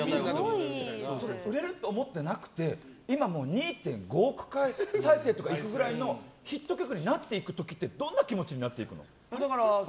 売れると思ってなくて今、２．５億回再生みたいないくくらいのヒット曲になった時ってどんな気持ちになってるの？